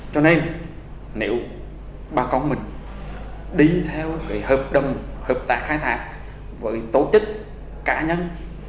cho nên nếu bà con mình đi theo cái hợp đồng hợp tác khai thác với tổ chức cá nhân